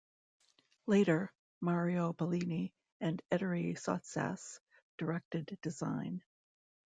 Later, Mario Bellini and Ettore Sottsass directed design.